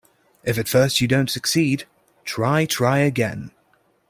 If at first you don't succeed, try, try again.